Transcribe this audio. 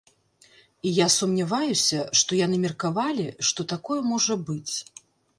І я сумняваюся, што яны меркавалі, што такое можа быць.